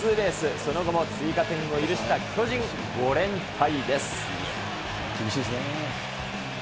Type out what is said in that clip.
その後も追加点を許した巨人、５連敗です。